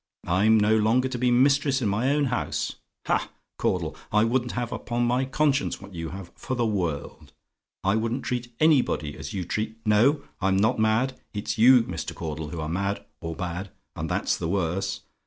I'm no longer to be mistress in my own house! Ha, Caudle! I wouldn't have upon my conscience what you have, for the world! I wouldn't treat anybody as you treat no, I'm not mad! It's you, Mr. Caudle, who are mad, or bad and that's worse!